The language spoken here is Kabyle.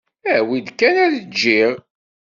Awi-d kan ad jjiɣ.